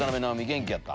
元気やった？